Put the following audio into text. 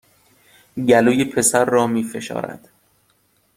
گلوی پسر را می فشارد